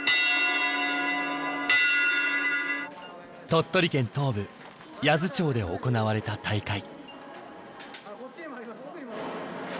鳥取県東部八頭町で行われた大会。